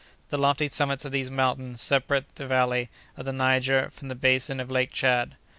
The lofty summits of these mountains separate the valley of the Niger from the basin of Lake Tchad.